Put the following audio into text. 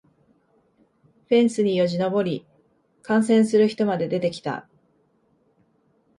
フェンスによじ登り観戦する人まで出てきた